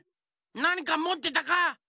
なにかもってたか？